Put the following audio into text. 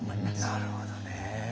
なるほどね。